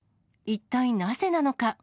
一体なぜなのか。